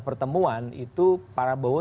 pertemuan itu prabowo